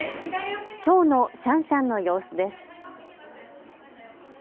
きょうのシャンシャンの様子です。